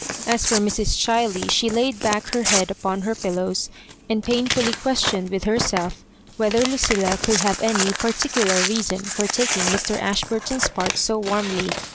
As for Mrs. Cbiley> she laid back her head upon her pillows and painfully questioned with herself whether Lucilla could have anypafiicuiar reason for taking Mr. Ashburton's part so warmly.